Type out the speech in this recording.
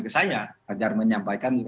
ke saya agar menyampaikan